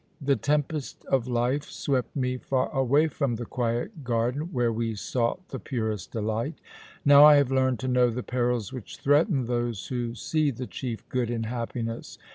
The tempest of life swept me far away from the quiet garden where we sought the purest delight. Now I have learned to know the perils which threaten those who see the chief good in happiness.